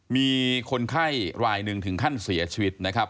มีคนไข้รายหนึ่งถึงขั้นเสียชีวิตนะครับ